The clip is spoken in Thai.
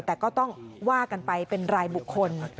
แต่ก็ต้องว่ากันไปเป็นรายบุคคล